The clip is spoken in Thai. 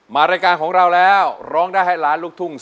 มารายการของเราแล้วร้องได้ให้ล้านลูกทุ่ง